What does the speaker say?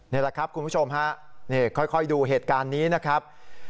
นี่แหละครับคุณผู้ชมฮะนี่ค่อยดูเหตุการณ์นี้นะครับ